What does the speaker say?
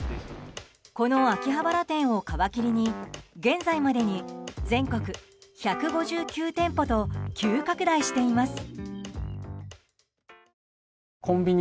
この秋葉原店を皮切りに現在までに全国１５９店舗と急拡大しています。